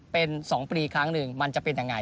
เป็น๒ปีครั้งหนึ่งมันจะเป็นยังไง